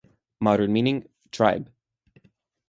Modern meaning: tribe.